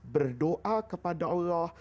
berdoa kepada allah